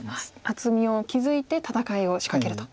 厚みを築いて戦いを仕掛けると。